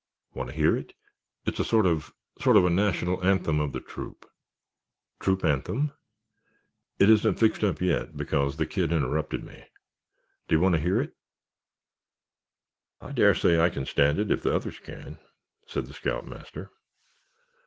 "Want to hear it? It's a sort of—sort of a national anthem of the troop——" "Troop anthem?" "It isn't fixed up yet because the kid interrupted me. Do you want to hear it?" "I dare say I can stand it if the others can," said the scoutmaster.